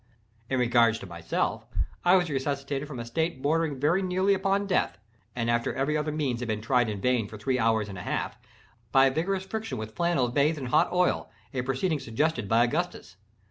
In regard to myself—I was resuscitated from a state bordering very nearly upon death (and after every other means had been tried in vain for three hours and a half) by vigorous friction with flannels bathed in hot oil—a proceeding suggested by Augustus.